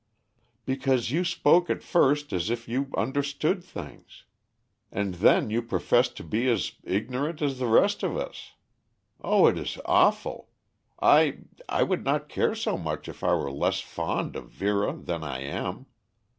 "Because you spoke at first as if you understood things. And then you professed to be as ignorant as the rest of us. Oh, it is awful! I I would not care so much if I were less fond of Vera than I am.